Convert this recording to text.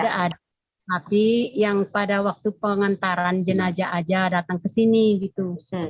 tapi yang pada waktu pengantaran jenajah aja datang ke sini gitu